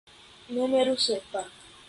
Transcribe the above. Numero sepa.